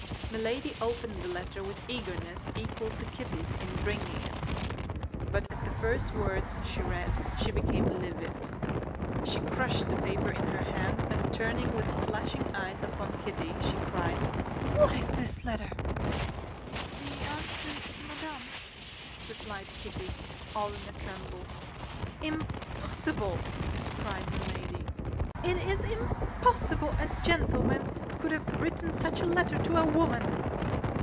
Milady opened the letter with eagerness equal to Kitty's in bringing it; but at the first words she read she became livid. She crushed the paper in her hand, and turning with flashing eyes upon Kitty, she cried, "What is this letter?" "The answer to Madame's," replied Kitty, all in a tremble. "Impossible!" cried Milady. "It is impossible a gentleman could have written such a letter to a woman."